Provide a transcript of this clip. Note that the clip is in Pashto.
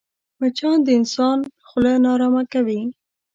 مچان د انسان خوله ناارامه کوي